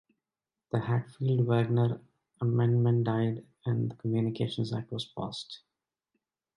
The Hatfield-Wagner amendment died and the Communications Act was passed.